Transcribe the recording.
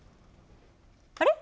あれ？